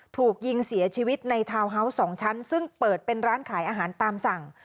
ถูกยิงเสียชีวิตในทาวน์ฮาวส์๒ชั้นซึ่งเปิดเป็นร้านขายอาหารตามสั่ง